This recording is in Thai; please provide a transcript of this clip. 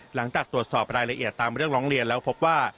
หลังจากตรวจสอบรายละเอียดตามเรื่องร้องเรียนแล้วพบว่า